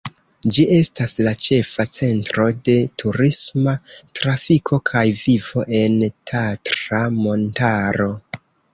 Ĝi estas la ĉefa centro de turisma trafiko kaj vivo en Tatra-montaro.